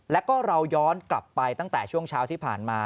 แล้วก็เราย้อนกลับไปตั้งแต่ช่วงเช้าที่ผ่านมา